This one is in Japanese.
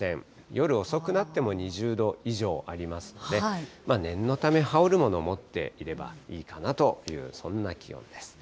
夜遅くなっても２０度以上ありますので、念のため、羽織るもの持っていればいいかなという、そんな気温です。